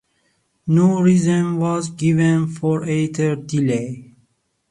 No reason was given for either delay.